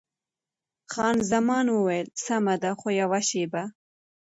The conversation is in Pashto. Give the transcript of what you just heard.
خان زمان وویل: سمه ده، خو یوه شېبه.